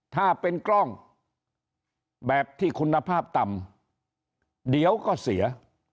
ถ้าเป็นกล้องแบบที่คุณภาพต่ำเดี๋ยวก็เสีย